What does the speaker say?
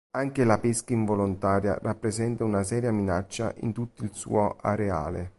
Anche la pesca involontaria rappresenta una seria minaccia in tutto il suo areale.